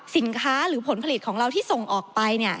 หรือผลผลิตของเราที่ส่งออกไปเนี่ย